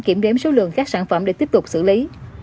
kiểm đếm số lượng các sản phẩm để tiếp tục xử lý